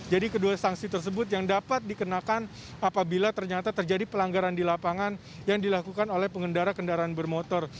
jadi kedua sanksi tersebut yang dapat dikenakan apabila ternyata terjadi pelanggaran di lapangan yang dilakukan oleh pengendara pengendara bermotor